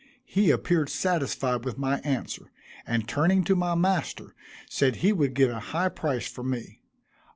He appeared satisfied with my answer, and turning to my master, said he would give a high price for me.